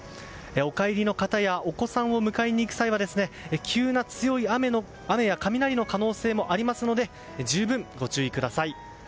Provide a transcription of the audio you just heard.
お帰りの方やお子さんを迎えに行く際は急な強い雨や雷の可能性もありますので十分ご注意ください。